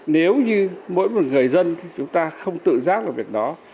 nếu như mỗi một người dân thì chúng ta không tự giác vào việc đó